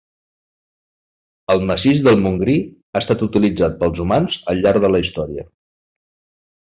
El massís del Montgrí ha estat utilitzat pels humans al llarg de la història.